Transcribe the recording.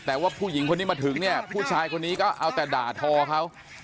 แต่ว่าผู้หญิงคนนี้มาถึงเนี่ยผู้ชายคนนี้ก็เอาแต่ด่าทอเขา